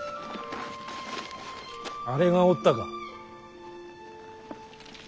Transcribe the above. あれがおったか。